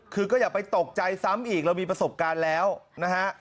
คือก็อย่าไปตกใจซ้ำอีกเรามีประสบการณ์แล้วนะฮะ